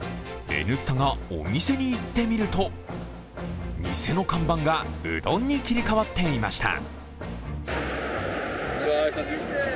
「Ｎスタ」がお店に行ってみると、店の看板が「うどん」に切り替わっていました。